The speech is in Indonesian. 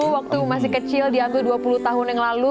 waktu masih kecil diambil dua puluh tahun yang lalu